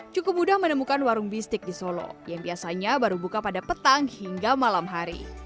cukup mudah menemukan warung bistik di solo yang biasanya baru buka pada petang hingga malam hari